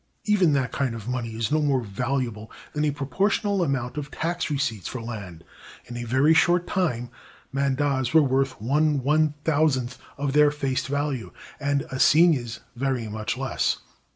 Even that kind of money is no more valuable than a proportional amount of tax receipts for land. In a very short time mandats were worth 1/1000 of their face value, and assignats very much less.